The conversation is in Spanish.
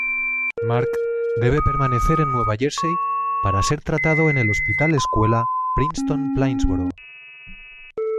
Mark debe permanecer en Nueva Jersey para ser tratado en el Hospital Escuela Princeton-Plainsboro.